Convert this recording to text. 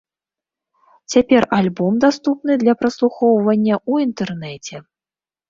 Цяпер альбом даступны для праслухоўвання ў інтэрнэце.